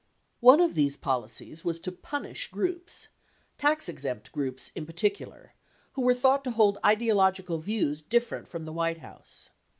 One of these policies was to "punish" groups, tax exempt groups in particular, who were thought to hold ideological views different from the White House.